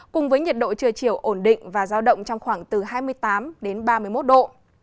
cùng với nhiệt độ trưa chiều ổn định và giao động trong khoảng từ hai mươi tám đến ba mươi một độ